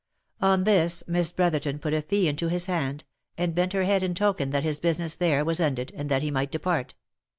• On this Miss Brotherton put a fee into his hand, and bent her head in token that his business there was ended, and that he might depart.